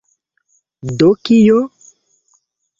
Do kio?!